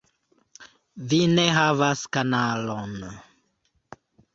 Vi ne havas kanalon